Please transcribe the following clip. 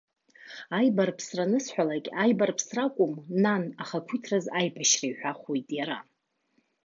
Аибарԥсра анысҳәалак, аибарԥсра акәым, нан, ахақәиҭраз аибашьра иҳәахуеит иара.